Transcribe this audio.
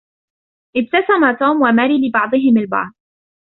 ابتسم توم و ماري لبعضهم البعض.